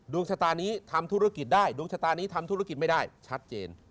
ชะตานี้ทำธุรกิจได้ดวงชะตานี้ทำธุรกิจไม่ได้ชัดเจน